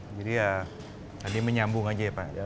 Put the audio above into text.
jadi ya tadi menyambung aja ya pak